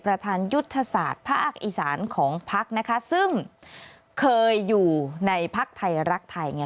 ประธานยุทธศาสตร์ภาคอีสานของพักนะคะซึ่งเคยอยู่ในภักดิ์ไทยรักไทยไง